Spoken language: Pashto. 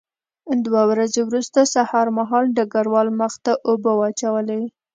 دوه ورځې وروسته سهار مهال ډګروال مخ ته اوبه واچولې